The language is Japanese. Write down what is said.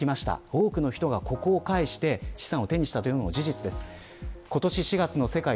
多くの人がここを介して資産を手にしたのが事実です。